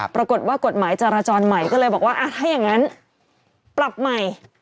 ปรากฏว่ากฎหมายจราจรใหม่ก็เลยบอกว่าถ้าอย่างนั้นปรับใหม่